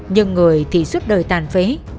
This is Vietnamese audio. nhưng người thì suốt đời tàn phế